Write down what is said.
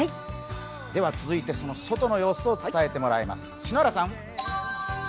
続いてその外の様子を伝えてもらいます。